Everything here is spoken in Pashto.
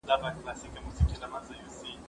زه قلم استعمالوم کړی دی!